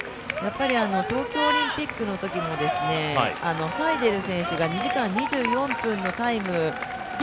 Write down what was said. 東京オリンピックのときのある選手が２時間２４分のタイムで